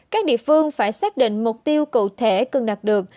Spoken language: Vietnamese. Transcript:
các địa phương phải xác định mục tiêu cụ thể cần đạt được